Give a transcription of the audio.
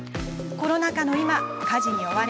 コロナ禍の今、家事に追われ